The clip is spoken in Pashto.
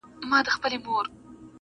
• راسه چي دي حسن ته جامي د غزل واغوندم,